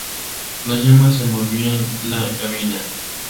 Las llamas envolvían la cabina.